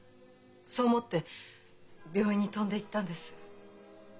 そう思って病院に飛んでいったんです。